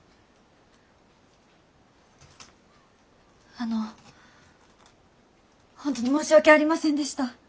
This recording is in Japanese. あの本当に申し訳ありませんでした。